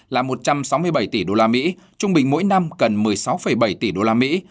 là một trăm sáu mươi bảy tỷ đô la mỹ trung bình mỗi năm cần một mươi sáu bảy tỷ đô la mỹ